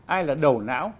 ai là đầu não